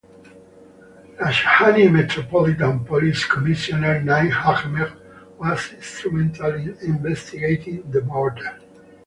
Rajshahi Metropolitan Police commissioner Naim Ahmed was instrumental in investigating the murder.